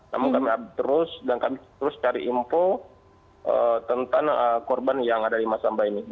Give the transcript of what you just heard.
namun kami update terus dan kami terus cari info tentang korban yang ada di masamba ini